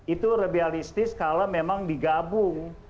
itu lebih realistis kalau memang digabung